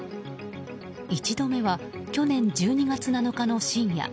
１度目は去年１２月７日の深夜。